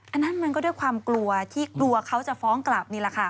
อันนั้นมันก็ด้วยความกลัวที่กลัวเขาจะฟ้องกลับนี่แหละค่ะ